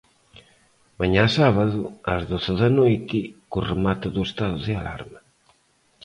Mañá sábado, ás doce da noite, co remate do estado de alarma.